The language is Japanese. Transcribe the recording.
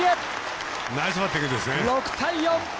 ６対４！